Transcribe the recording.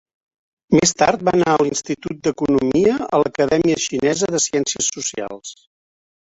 Més tard va anar a l"Institut d"Economia a l"Acadèmia Xinesa de Ciències Socials.